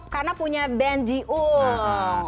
karena punya ben jiung